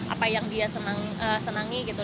apa yang dia senangi gitu